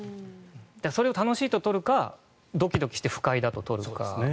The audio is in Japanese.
それを楽しいと取るのかドキドキして不快だと取るのか。